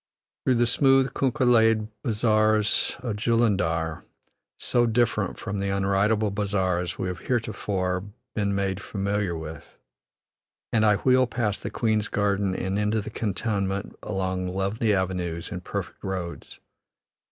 Through the smooth kunkah laid bazaars of Jullundar, so different from the unridable bazaars we have heretofore been made familiar with, and I wheel past the Queen's Gardens and into the cantonment along lovely avenues and perfect roads.